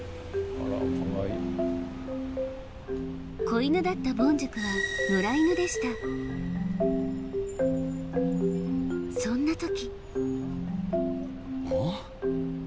子犬だったボンジュクは野良犬でしたそんな時おお？